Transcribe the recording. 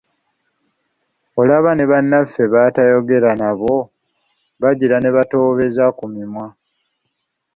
Olaba ne bannaffe abatayogera nabo bagira ne batoobeza ku mimwa.